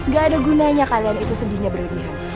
gak ada gunanya kalian itu sedihnya berlebihan